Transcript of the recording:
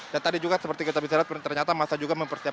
dan tadi juga seperti kita bisa lihat ternyata masa juga mempersisakan